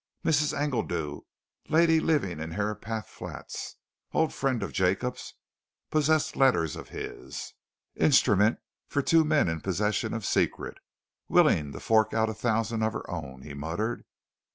"Mrs. Engledew lady living in Herapath Flats old friend of Jacob's possessed letters of his instrument for two men in possession of secret willing to fork out a thousand of her own," he muttered.